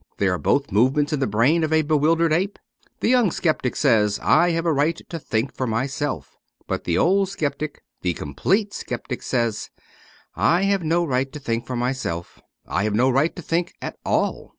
They are both movements in the brain of a bewildered ape ?' The young sceptic says, ' I have a right to think for myself.' But the old sceptic, the complete sceptic, says, * I have no right to think for myself. I have no right to think at all.'